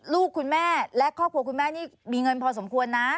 ลูกคุณแม่และครอบครัวคุณแม่นี่มีเงินพอสมควรนะ